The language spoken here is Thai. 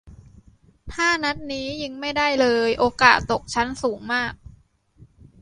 ถ้านัดนี้ยิงไม่ได้เลย โอกาสตกชั้นสูงมาก